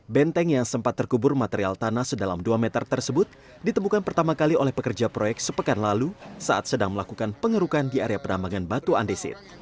benteng yang sempat terkubur material tanah sedalam dua meter tersebut ditemukan pertama kali oleh pekerja proyek sepekan lalu saat sedang melakukan pengerukan di area penambangan batu andesit